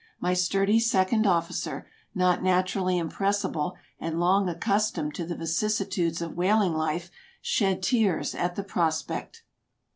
My sturdy second officer, not naturally impress ible and long accustomed to the vicissitudes of whaling life, shed tears at the prospect.